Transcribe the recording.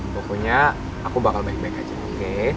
pokoknya aku bakal balik balik aja oke